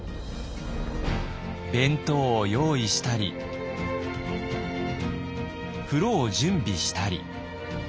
弁当を用意したり風呂を準備したり。